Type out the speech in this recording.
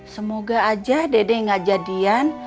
semoga aja dede gak jadian